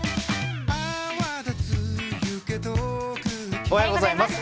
おはようございます。